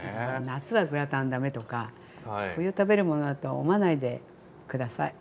夏はグラタン駄目とか冬食べるものだとは思わないで下さい。